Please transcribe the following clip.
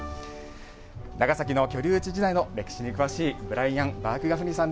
長崎の居留地時代の歴史に詳しいブライアン・バークガフニさん。